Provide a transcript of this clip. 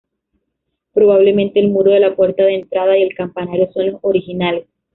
Probablemente el muro de la puerta de entrada y el campanario son los originales.